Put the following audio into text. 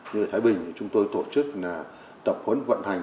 như ở thái bình chúng tôi tổ chức là tập huấn vận hành